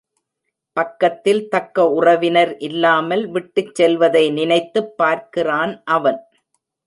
பக்கத்தில் தக்க உறவினர் இல்லாமல் விட்டுச் செல்வதை நினைத்துப் பார்க்கிறான் அவன்.